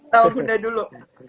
tau bunda dulu